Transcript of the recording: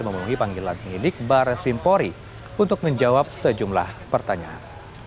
memulai panggilan milik barres vimpori untuk menjawab sejumlah pertanyaan